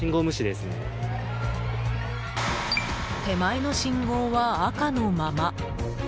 手前の信号は赤のまま。